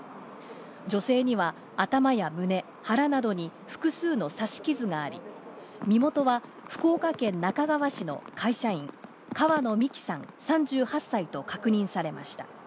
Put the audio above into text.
女性には頭や胸、腹などに複数の刺し傷があり、身元は福岡県那珂川市の会社員、川野美樹さん、３８歳と確認されました。